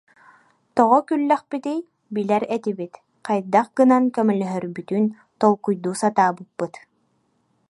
Тоҕо күллэхпитий, билэр этибит, хайдах гынан көмөлөһөрбүтүн толкуйдуу сатаабыппыт